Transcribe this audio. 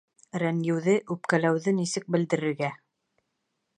Рәнйеүҙе, үпкәләүҙе нисек белдерергә